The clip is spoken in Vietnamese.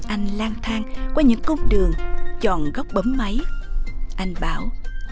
anh lang thang qua những cung đường chọn góc bấm máy anh bảo